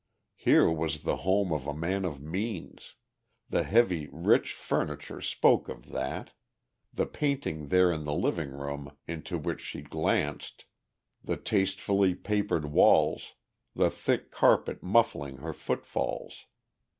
Here was the home of a man of means, the heavy, rich furniture spoke of that, the painting there in the living room into which she glanced, the tastefully papered walls, the thick carpet muffling her footfalls.